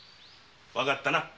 わかったな。